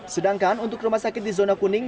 sedangkan untuk rumah sakit di zona kuning